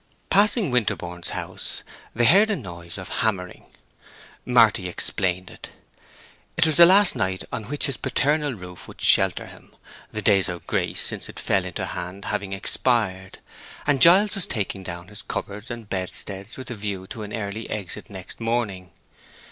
Passing Winterborne's house, they heard a noise of hammering. Marty explained it. This was the last night on which his paternal roof would shelter him, the days of grace since it fell into hand having expired; and Giles was taking down his cupboards and bedsteads with a view to an early exit next morning.